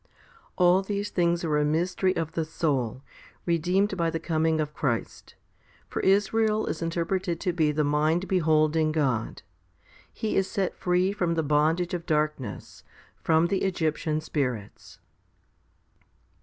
3 All these things are a mystery of the soul, redeemed by the coming of Christ. For Israel is interpreted to be the mind beholding God. 4 He is set free from the bondage of darkness, from the Egyptian spirits.